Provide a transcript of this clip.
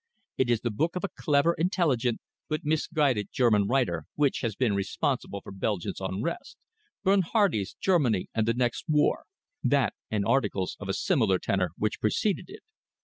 It is the book of a clever, intelligent, but misguided German writer which has been responsible for Belgium's unrest Bernhardi's Germany and the Next War that and articles of a similar tenor which preceded it."